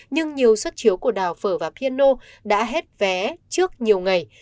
nhưng nhiều xuất chiếu của đào phở và piano đã hết vé trước nhiều ngày